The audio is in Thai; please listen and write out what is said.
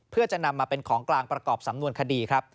เพื่อจะนำมาเป็นของกลางประกอบสำนวนคดีครับ